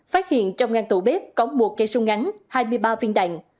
phát hiện trong ngang tủ bếp có một cây súng ngắn hai mươi ba viên đạn